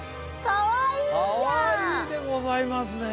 かわいいでございますね。